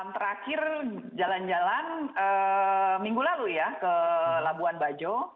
terakhir jalan jalan minggu lalu ya ke labuan bajo